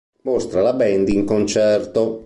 Mostra la band in concerto.